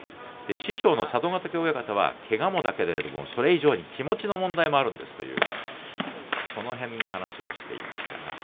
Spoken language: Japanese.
師匠の佐渡ヶ嶽親方はけがもだけれどもそれ以上に気持ちの問題があるんですという話をしていました。